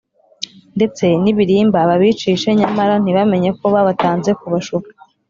ndetse nibirimba babicishe; nyamara ntibamenye ko babatanze kubashuka.